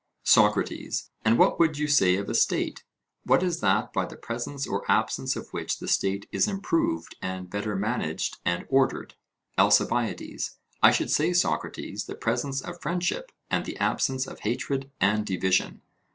SOCRATES: And what would you say of a state? What is that by the presence or absence of which the state is improved and better managed and ordered? ALCIBIADES: I should say, Socrates: the presence of friendship and the absence of hatred and division.